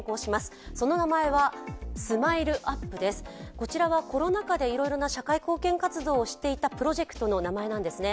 こちらはコロナ禍でいろいろな社会貢献活動をしいたプロジェクトの名前なんですね。